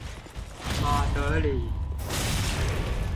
馬德里